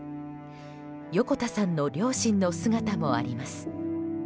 横田さんの両親の姿もあります。